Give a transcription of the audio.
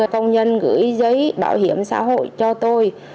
công nhân gửi giấy bảo hiểm xã hội cho tôi